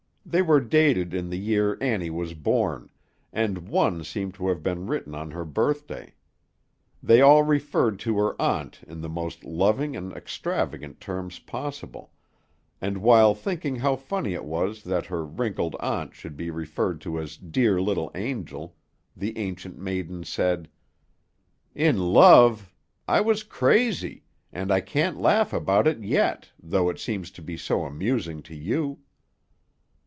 They were dated in the year Annie was born, and one seemed to have been written on her birthday. They all referred to her aunt in the most loving and extravagant terms possible; and while thinking how funny it was that her wrinkled aunt should be referred to as dear little angel, the Ancient Maiden said, "In love! I was crazy! And I can't laugh about it yet, though it seems to be so amusing to you."